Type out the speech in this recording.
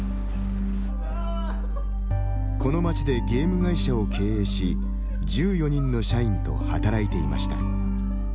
この街で、ゲーム会社を経営し１４人の社員と働いていました。